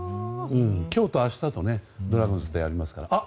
今日と明日とドラゴンズとやりますから。